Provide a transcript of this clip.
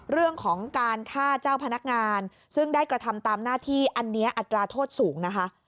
เรื่องของการฆ่าเจ้าพนักงานซึ่งได้กระทำตามหน้าที่อันนี้อัตราโทษสูงนะคะ